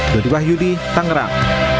dari wahyudi tangerang